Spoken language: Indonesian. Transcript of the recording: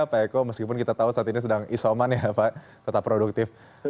pak eko meskipun kita tahu saat ini sedang isoman ya pak tetap produktif